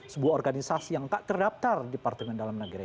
sebuah organisasi yang nggak terdaftar di departemen dalam negeri